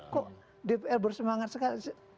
kok dpr bersemangat sekali